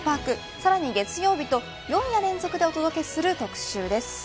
さらに月曜日と４夜連続でお届けする特集です。